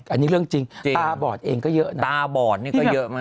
อันนี้เรื่องจริงตาบอดเองก็เยอะนะตาบอดนี่ก็เยอะมาก